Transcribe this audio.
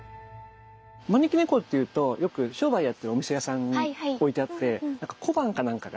招き猫っていうとよく商売やってるお店屋さんに置いてあってなんか小判かなんかが。